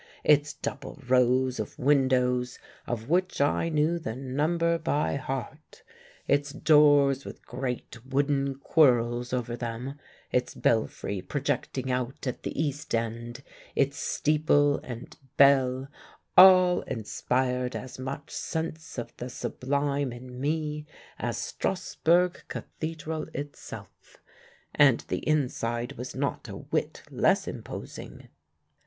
Its double rows of windows, of which I knew the number by heart, its doors with great wooden quirls over them, its belfry projecting out at the east end, its steeple and bell, all inspired as much sense of the sublime in me as Strasbourg Cathedral itself; and the inside was not a whit less imposing.